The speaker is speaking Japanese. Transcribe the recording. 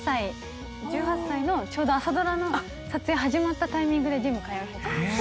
１８歳１８歳のちょうど朝ドラの撮影始まったタイミングでジム通い始めました。